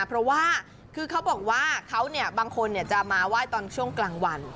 เพราะว่าคือเขาบอกว่าเขาบางคนจะมาไหว้ตอนช่วงกลางวัน